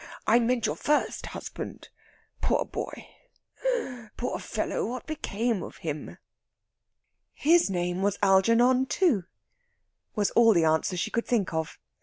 I meant your first husband. Poor boy! poor fellow! What became of him?" "His name was Algernon, too," was all the answer she could think of.